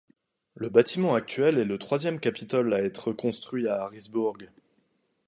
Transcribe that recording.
Le bâtiment actuel est le troisième Capitole à être construit à Harrisburg.